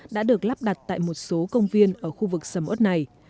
đã được lắp đặt tại một số công viên ở khu vực sầm ớt này